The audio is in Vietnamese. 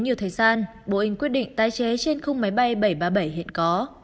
nhiều thời gian boeing quyết định tái chế trên khung máy bay bảy trăm ba mươi bảy hiện có